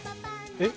えっ？